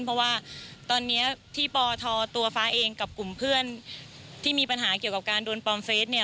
เพราะว่าตอนนี้ที่ปทตัวฟ้าเองกับกลุ่มเพื่อนที่มีปัญหาเกี่ยวกับการโดนปลอมเฟสเนี่ย